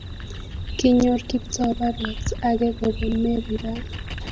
Kinyor Kiptoo barwet ake kobun Mary ra